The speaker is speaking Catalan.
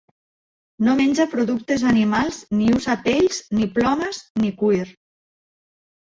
No menja productes animals ni usa pells ni plomes ni cuir.